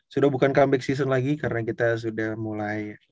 sudah bukan comeback season lagi karena kita sudah mulai